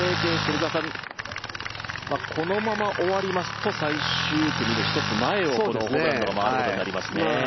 このまま終わりますと最終組の１つ前をホブランドが回ることになりますね。